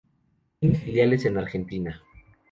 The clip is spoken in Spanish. Tiene filiales en Argentina.